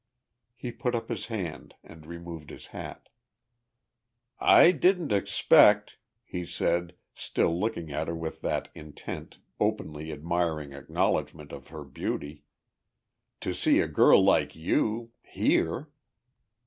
He put up his hand and removed his hat. "I didn't expect," he said, still looking at her with that intent, openly admiring acknowledgment of her beauty, "to see a girl like you. Here."